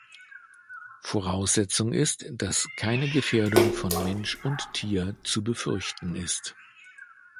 Voraussetzung ist, dass keine Gefährdung von Mensch und Tier zu befürchten ist.